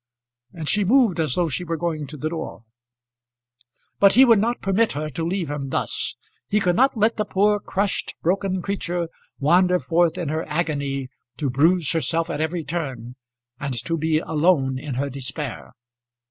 And she moved as though she were going to the door. But he would not permit her to leave him thus. He could not let the poor, crushed, broken creature wander forth in her agony to bruise herself at every turn, and to be alone in her despair.